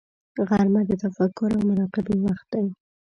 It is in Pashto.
غرمه د تفکر او مراقبې وخت دی